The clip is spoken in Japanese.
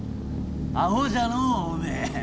アホじゃのうおめえ。